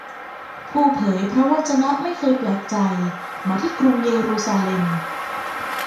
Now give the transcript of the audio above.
ผู้เผยพระวจนะไม่เคยแปลกใจมาที่กรุงเยรูซาเล็ม